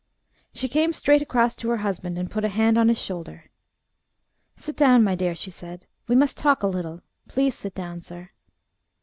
She came straight across to her husband, and put a hand on his shoulder. "Sit down, my dear," she said. "We must talk a little. Please sit down, sir."